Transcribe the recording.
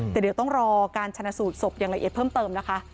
แต่เดี๋ยวต้องรอการชนะสูตรศพอย่างละเอียดเพิ่มเติมนะคะ